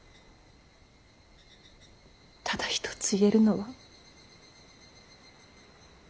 ただ一つ言えるのは。